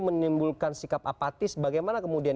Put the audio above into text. menimbulkan sikap apatis bagaimana kemudian